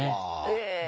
ええ。